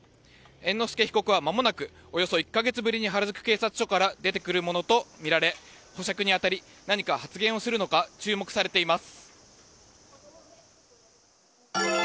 猿之助被告はまもなくおよそ１か月ぶりに原宿警察署から出てくるものとみられ保釈に当たり、何か発言するのか注目されています。